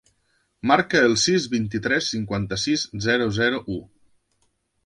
Marca el sis, vint-i-tres, cinquanta-sis, zero, zero, u.